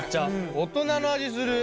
大人の味する。